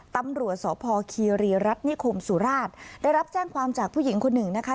ตำรวจสพคีรีรัฐนิคมสุราชได้รับแจ้งความจากผู้หญิงคนหนึ่งนะคะ